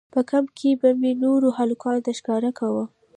په کمپ کښې به مې نورو هلکانو ته ښکاره کاوه.